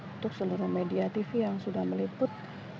untuk seluruh media tv yang sudah meliput